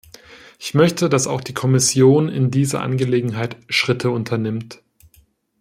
Ich möchte, dass auch die Kommission in dieser Angelegenheit Schritte unternimmt.